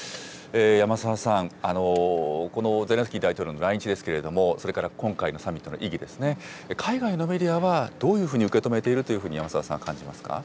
山澤さん、このゼレンスキー大統領の来日ですけれども、それから今回のサミットの意義ですね、海外のメディアはどういうふうに受け止めているというふうに山澤さん、感じますか。